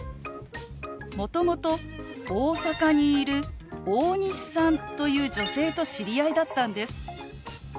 もともと大阪にいる大西さんという女性と知り合いだったんです。